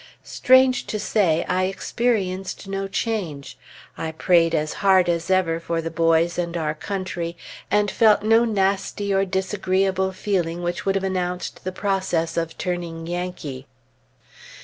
Strange to say, I experienced no change. I prayed as hard as ever for the boys and our country, and felt no nasty or disagreeable feeling which would have announced the process of turning Yankee.